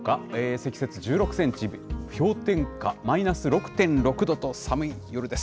積雪１６センチ、氷点下、マイナス６．６度と、寒い夜です。